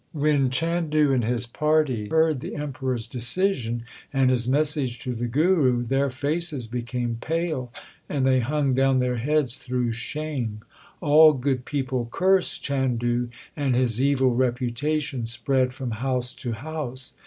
When Chandu and his party heard the Emperor s decision and his message to the Guru, their faces became pale and they hung down their heads through shame. All good people cursed Chandu, and his evil reputation spread from house to house.